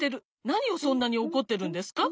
なにをそんなにおこってるんですか？